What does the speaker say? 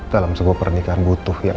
dalam sebuah pernikahan butuh yang